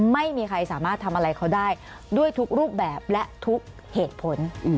ไม่มีใครสามารถทำอะไรเขาได้ด้วยทุกรูปแบบและทุกเหตุผล